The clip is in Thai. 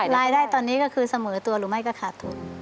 รายได้ตอนนี้ก็คือเสมอตัวหรือไม่ก็ขาดทุน